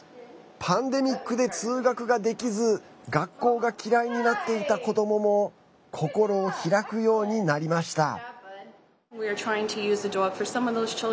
パンデミックで通学ができず学校が嫌いになっていた子どもも心を開くようになりました。